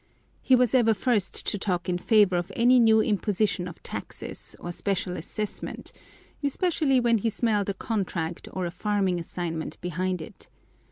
He was ever first to talk in favor of any new imposition of taxes, or special assessment, especially when he smelled a contract or a farming assignment behind it.